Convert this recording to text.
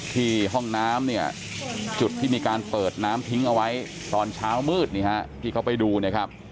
ห้องน้ำเนี่ยจุดที่มีการเปิดน้ำทิ้งเอาไว้ตอนเช้ามืดที่เขาไปดูนะครับ